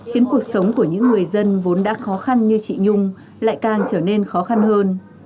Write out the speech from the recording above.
khiến cuộc sống của những người dân vốn đã khó khăn như chị nhung lại càng trở nên khó khăn hơn